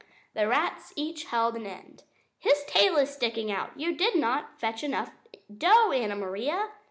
The rats each held an end. "His tail is sticking out! You did not fetch enough dough, Anna Maria."